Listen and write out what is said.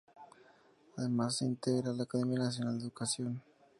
Además integra la Academia Nacional de Educación.